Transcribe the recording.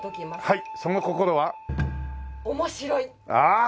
はい。